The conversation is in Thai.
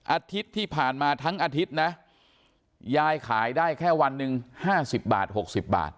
อาทิตย์ที่ผ่านมาทั้งอาทิตย์นะยายขายได้แค่วันหนึ่ง๕๐บาท๖๐บาท